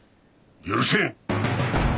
許せん！